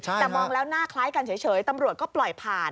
แต่มองแล้วหน้าคล้ายกันเฉยตำรวจก็ปล่อยผ่าน